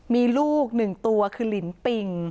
มีลูก๑ตัวคือลินปิง